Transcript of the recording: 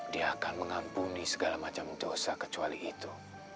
dia akan mengampuni segala macam dosa kecuali itu